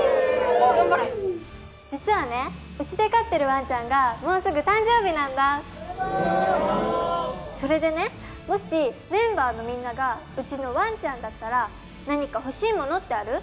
頑張れ実はねうちで飼ってるワンちゃんがもうすぐ誕生日なんだおめでとうそれでねもしメンバーのみんながうちのワンちゃんだったら何か欲しいものってある？